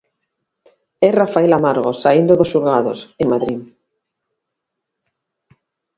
É Rafael Amargo saíndo dos xulgados, en Madrid.